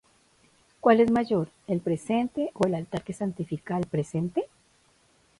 ¿cuál es mayor, el presente, ó el altar que santifica al presente?